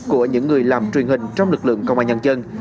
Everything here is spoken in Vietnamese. của những người làm truyền hình trong lực lượng công an nhân dân